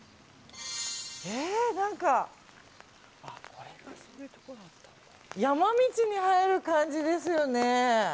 何か、山道に入る感じですよね。